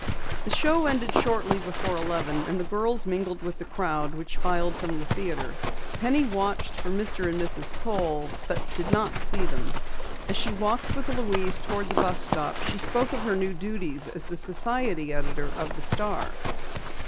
The show ended shortly before eleven and the girls mingled with the crowd which filed from the theatre. Penny watched for Mr. and Mrs. Kohl but did not see them. As she walked with Louise toward the bus stop she spoke of her new duties as society editor of the Star.